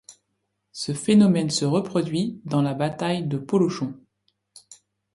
Ce phénomène se reproduit dans la bataille de polochons.